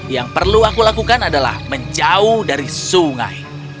yang perlu aku lakukan adalah menjauh dari sungai